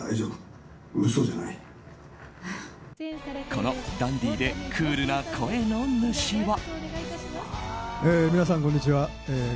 このダンディーでクールな声の主は。